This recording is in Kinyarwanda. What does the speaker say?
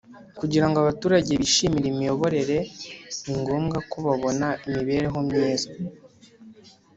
Kugira ngo abaturage bishimire imiyoborere ni ngombwa ko babona imibereho myiza